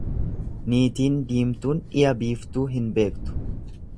Niitiin diimtuun dhiya biiftuu hin beektu.